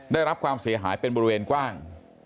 ได้รับความเสียหายเป็นบริเวณกว้าง